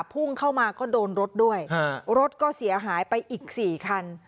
พุ่งเข้ามาก็โดนรถด้วยรถก็เสียหายไปอีก๔คัน